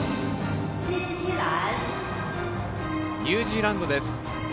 ニュージーランドです。